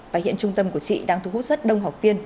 bài hiện trung tâm của chị đang thu hút rất đông học tiên